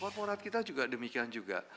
korporat kita juga demikian juga